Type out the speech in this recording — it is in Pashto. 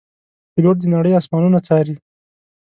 پیلوټ د نړۍ آسمانونه څاري.